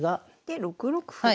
で６六歩。